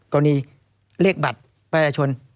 กรณีเลขบัตรประชาชน